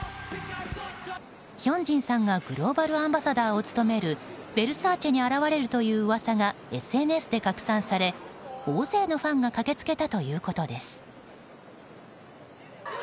ヒョンジンさんがグローバルアンバサダーを務めるヴェルサーチェに現れるという噂がＳＮＳで拡散され大勢のファンが駆け付けたということです。